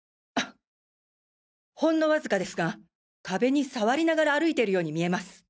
ほんのわずかですが壁に触りながら歩いているように見えます。